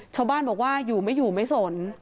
ชาวบ้านบอกว่าอยู่ไม่อยู่ไม่สน